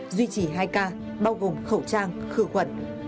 duy trì hai ca bao gồm khẩu trang khử khuẩn